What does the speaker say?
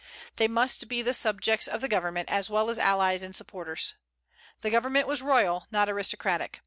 They must be subjects of the government, as well as allies and supporters. The government was royal, not aristocratic.